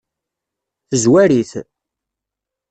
Tezwar-it?